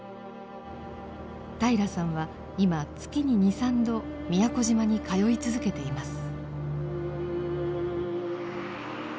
平良さんは今月に２３度宮古島に通い続けています。